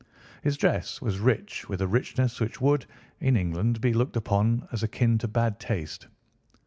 His dress was rich with a richness which would, in England, be looked upon as akin to bad taste.